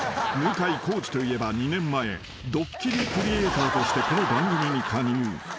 向井康二といえば２年前ドッキリクリエーターとしてこの番組に加入］